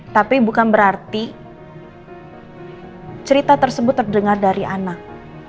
tapi bukan berarti cerita tersebut terdengar dari anak